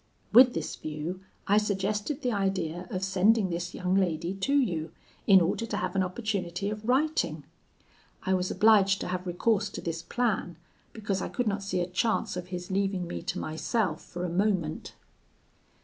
With this view I suggested the idea of sending this young lady to you, in order to have an opportunity of writing; I was obliged to have recourse to this plan, because I could not see a chance of his leaving me to myself for a moment.'